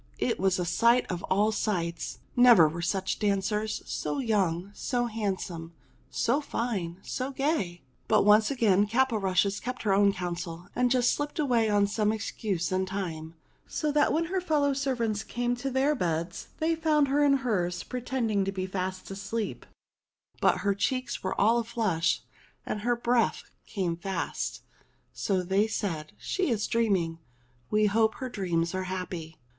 It was a sight of all sights ! Never were such dancers ! So young, so handsome, so fine, so gay ! But once again Caporushes kept her own counsel and just slipped away on some excuse in time, so that when her fellow servants came to their beds they found her in hers, pretending to be fast asleep ; but her cheeks were all flushed and her breath came fast. So they said, "She is dreaming. We hope her dreams are happy."